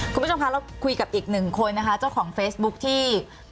คุณผู้ชมคะเราคุยกับอีกหนึ่งคนนะคะเจ้าของเฟซบุ๊คที่